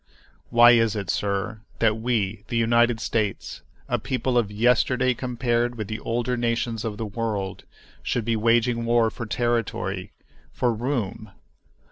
Why is it, sir, that we, the United States, a people of yesterday compared with the older nations of the world, should be waging war for territory—for "room?"